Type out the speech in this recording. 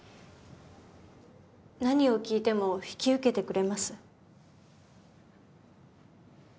何を聞いても引き受けてくれます？